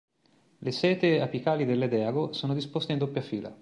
Le setae apicali dell'edeago sono disposte in doppia fila.